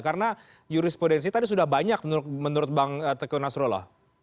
karena jurisprudensi tadi sudah banyak menurut bang teguh nasrola